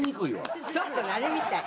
ちょっとねあれみたい。